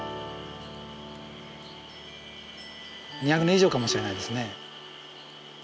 ２００年以上かもしれないですね。